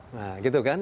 nah gitu kan